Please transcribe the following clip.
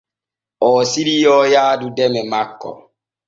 Oo siriyoo yaadu deme makko.